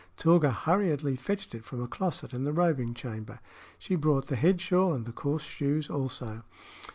Tilga hurriedly fetched it from a closet in the robing chamber. She brought the head shawl and the coarse shoes also.